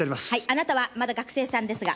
あなたはまだ学生さんですが。